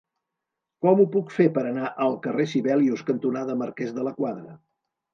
Com ho puc fer per anar al carrer Sibelius cantonada Marquès de la Quadra?